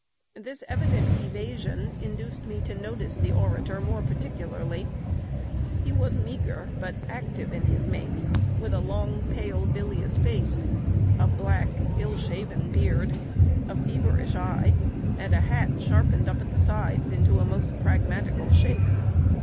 This evident evasion induced me to notice the orator more particularly. He was meagre, but active in his make, with a long, pale, bilious face; a black, ill shaven beard, a feverish eye, and a hat sharpened up at the sides into a most pragmatical shape.